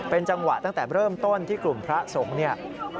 เป็นจังหวะตั้งแต่เริ่มต้นที่กลุ่มพระสงฆ์เนี่ย